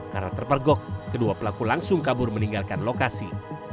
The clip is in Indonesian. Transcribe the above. karena terpergok kedua pelaku langsung kabur meninggalkan lokasi